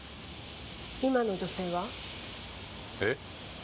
今の女性は？え？